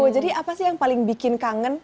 jadi apa sih yang paling bikin kangen